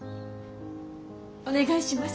お願いします。